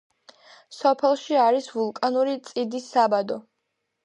სოფელში არის ვულკანური წიდის საბადო.